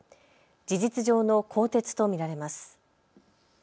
事実上の更迭と見られます。